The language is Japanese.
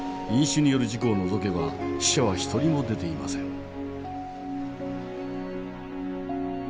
飲酒による事故を除けば死者は１人も出ていません。